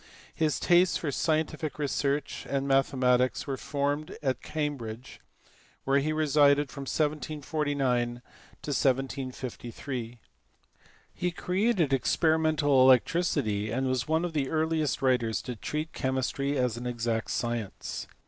His tastes for scientific research and mathematics were formed at Cambridge, where he resided from 1749 to 1753. Recreated experimental electricity, and was one of the earliest writers to treat chemistry as an exact science.